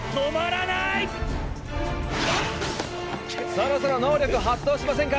そろそろ能力発動しませんか？